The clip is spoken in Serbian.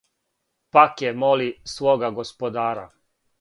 Паке моли свога господара: